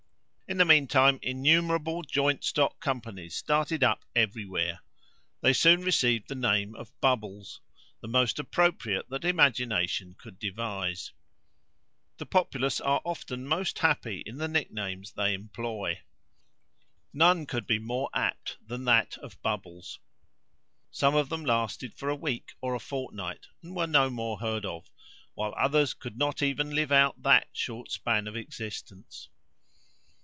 In the mean time, innumerable joint stock companies started up every where. They soon received the name of Bubbles, the most appropriate that imagination could devise. The populace are often most happy in the nicknames they employ. None could be more apt than that of Bubbles. Some of them lasted for a week or a fortnight, and were no more heard of, while others could not even live out that short span of existence.